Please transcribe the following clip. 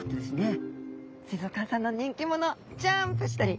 水族館さんの人気者ジャンプしたり。